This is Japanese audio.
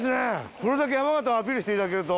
これだけ山形をアピールしていただけると。